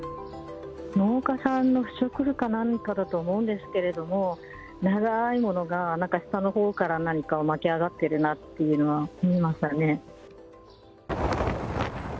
農家さんの不織布か何かだと思うんですけど、長いものが、なんか下のほうから何か巻き上がってるなっていうのは見えましたね。